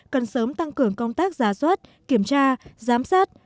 cần sớm tăng cường công tác giá suất kiểm tra giám sát